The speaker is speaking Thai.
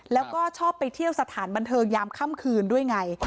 แล้วก็ชอบไปเที่ยวสถานบันเทิงยามค่ำคืนด้วยไง